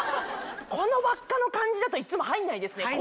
この輪っかの感じだといっつも入んないですね。